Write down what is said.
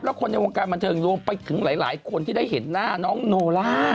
แล้วคนในวงการบันเทิงรวมไปถึงหลายคนที่ได้เห็นหน้าน้องโนล่า